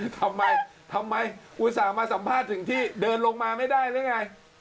ทำไมทำไมอุตส่าห์มาสัมภาษณ์ถึงที่เดินลงมาไม่ได้หรือไง